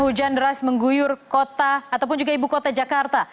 hujan deras mengguyur kota ataupun juga ibu kota jakarta